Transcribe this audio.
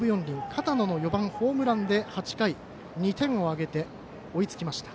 片野の４番ホームランで８回２点を挙げて追いつきました。